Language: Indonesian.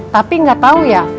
tapi gak tau ya